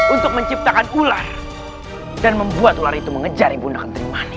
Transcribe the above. untuk menciptakan ular dan membuat ular itu mengejar ibunda menteri mandi